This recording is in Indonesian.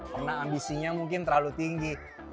karena ambisinya mungkin terlalu tinggi